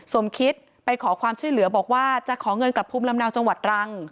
สมคิตไปขอความช่วยเหลือบอกว่าจะขอเงินกลับภูมิลำเนาจังหวัดรัง